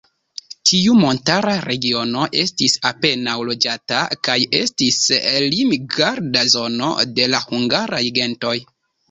Tiu montara regiono estis apenaŭ loĝata kaj estis limgarda zono de la hungaraj gentoj.